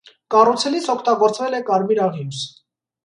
Կառուցելիս օգտագործվել է կարմիր աղյուս։